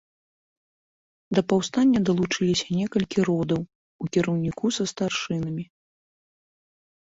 Да паўстання далучыліся некалькі родаў у кіраўніку са старшынамі.